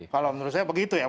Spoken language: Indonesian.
kalau menurut saya begitu ya